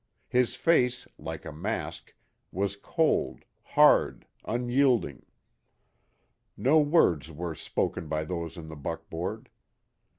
His face, like a mask, was cold, hard, unyielding. No word was spoken by those in the buckboard.